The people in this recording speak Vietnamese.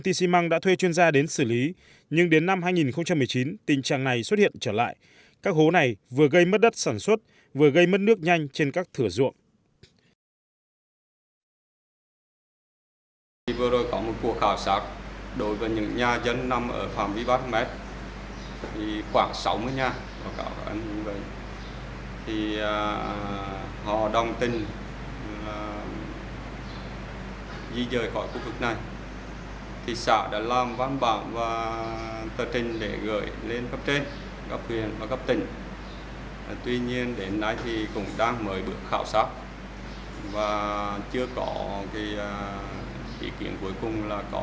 tuy nhiên đến nay thì cũng đang mời bước khảo sát và chưa có ý kiến cuối cùng là có gì giờ hay không